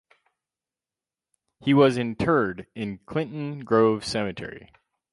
He was interred in Clinton Grove Cemetery.